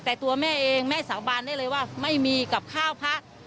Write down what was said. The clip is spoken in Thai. แต่ตัวแม่เองแม่สาบานได้เลยว่าไม่มีกับข้าวพระ